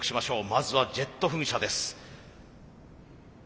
まずはジェット噴射です。